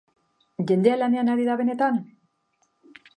Jendea lanean ari da, benetan?